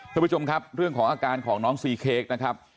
ท่านผู้ชมครับเรื่องของอาการของน้องซีเค้กนะครับ